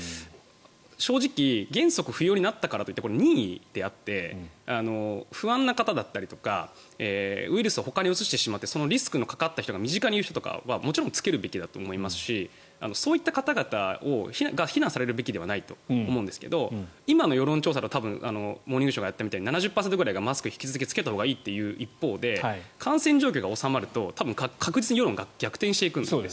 正直原則不要になったからといって任意であって不安な方だったりとかウイルスをほかにうつしてしまってそのリスクのかかった人が身近にいる人とかはもちろん着けるべきだと思いますしそういった方々が非難されるべきではないと思うんですが今の世論調査だと「モーニングショー」がやったみたいに７０％がマスクを引き続き着けたほうがいいという一方で感染状況が収まると、確実に世論が逆転していくんですよね。